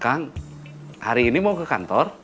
kan hari ini mau ke kantor